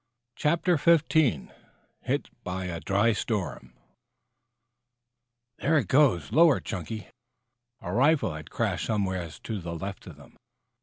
CHAPTER XV HIT BY A DRY STORM "There it goes! Lower, Chunky!" A rifle had crashed somewhere to the left of them.